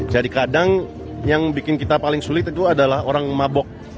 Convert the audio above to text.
jadi kadang yang bikin kita paling sulit itu adalah orang mabok